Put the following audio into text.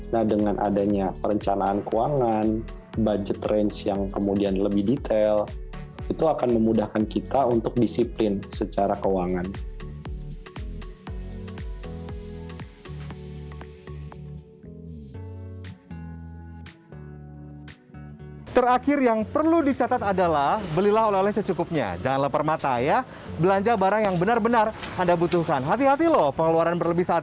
nah dengan adanya perencanaan keuangan budget range yang kemudian lebih detail itu akan memudahkan kita untuk disiplin secara keuangan